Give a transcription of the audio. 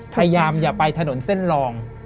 พยายามอย่าไปถนนเส้นรอง